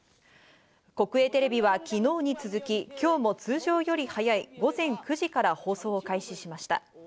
国営テレビは昨日に続き、今日も通常より早い午前９時から放送を開始しました。